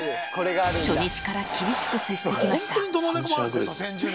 初日から厳しく接してきました。